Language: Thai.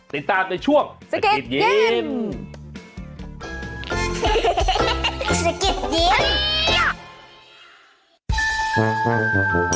ติดตามในช่วงสกิดยิ้ม